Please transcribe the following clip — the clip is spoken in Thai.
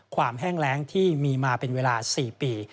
แห้งแรงที่มีมาเป็นเวลา๔ปี